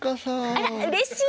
あらっうれしい！